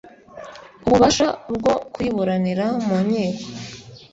ububasha bwo kuyiburanira mu nkiko